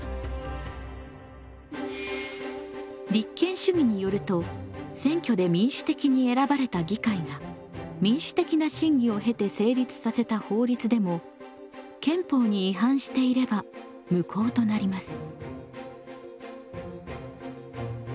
立憲主義によると選挙で民主的に選ばれた議会が民主的な審議を経て成立させた法律でも憲法に違反していれば無効となります。